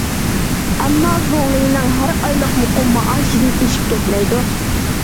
ئەمما زۇڭلىنىڭ ھەر ئايلىق مۇقىم مائاشىدىن ئېشىپ كەتمەيدۇ.